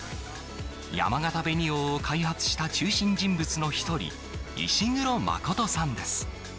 やまがた紅王を開発した中心人物の１人、石黒亮さんです。